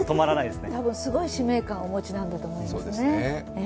すごい使命感をお持ちなんだと思いますね。